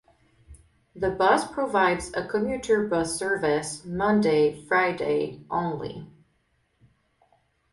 The bus provides a commuter bus service Monday - Friday only.